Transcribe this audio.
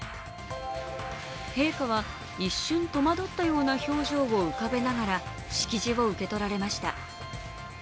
陛下は一瞬、とまどったような表情を浮かべながら式辞を受け取られました。